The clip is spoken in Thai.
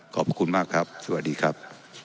ขอบคุณมากครับสวัสดีครับ